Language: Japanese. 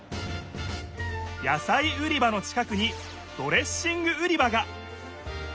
野さい売り場の近くにドレッシング売り場が！